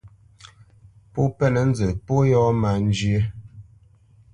Pó mpénə̄ nzə pó yɔ̂ má njyə́.